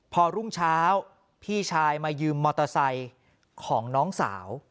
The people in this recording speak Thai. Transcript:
พอรุ่งเช้าพี่ชายมายืมมอเตอร์ไซค์ของน้องสาว